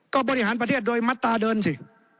ก็บริหารประเทศโดยมัตราเดินสิ